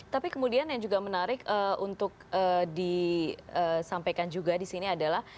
tapi kemudian yang juga menarik untuk disampaikan juga di sini adalah